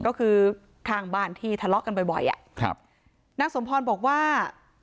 ก็คือข้างบ้านที่ทะเลาะกันบ่อยบ่อยอ่ะครับนางสมพรบอกว่า